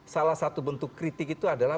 salah satu bentuk kritik itu adalah